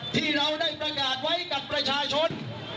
ที่เราได้ประกาศไว้กับประชาชน